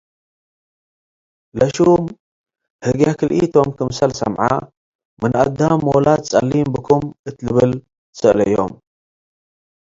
ለሹም ህግየ ክልኢቶም ክምሰል ሰምዐ፤ “ምን አዳም ሞላድ ጸሊም ብኩም?” እት ልብል ትሰአለዮም።